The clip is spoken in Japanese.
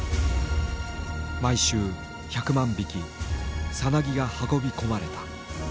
毎週１００万匹さなぎが運び込まれた。